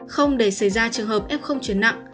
không để xảy ra trường hợp f chuyển nặng